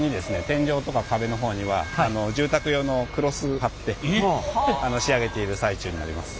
天井とか壁の方には住宅用のクロスを貼って仕上げている最中になります。